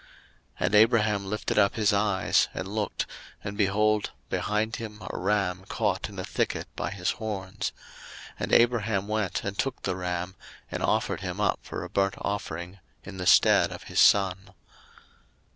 01:022:013 And Abraham lifted up his eyes, and looked, and behold behind him a ram caught in a thicket by his horns: and Abraham went and took the ram, and offered him up for a burnt offering in the stead of his son.